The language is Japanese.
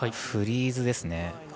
フリーズですね。